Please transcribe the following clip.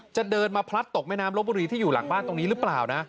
จะเดินมาพลัดตกแม่น้ำลบบุรีที่อยู่หลังบ้านตรงนี้หรือเปล่านะ